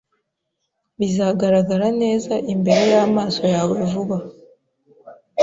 Bizagaragara neza imbere y'amaso yawe vuba